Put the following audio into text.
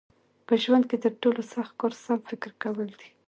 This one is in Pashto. په ژوند کې تر ټولو سخت کار سم فکر کول دي.